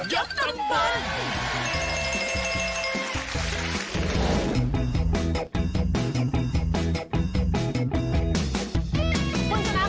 เฮยกตำบล